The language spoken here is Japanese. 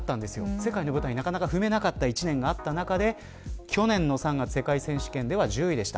世界の舞台をなかなか踏めなかった一年があった中で去年の３月、世界選手権では１０位でした。